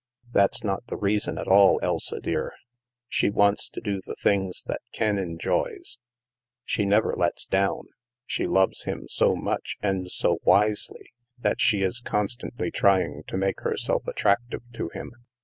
"That's not the reason at all, Elsa dear. She wants to do the things that Ken enjoys. She never lets down. She loves him so much, and so wisely, that she is constantly trying to make herself attract ive to him.